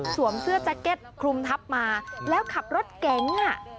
เสื้อแจ็คเก็ตคลุมทับมาแล้วขับรถเก๋งอ่ะ